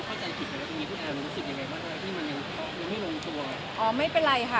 อย่างเงี้ยคุณแอลมันรู้สึกยังไงบ้างด้วยที่มันยังยังไม่ลงตัวอ๋อไม่เป็นไรค่ะ